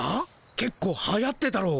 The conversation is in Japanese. けっこうはやってたろ。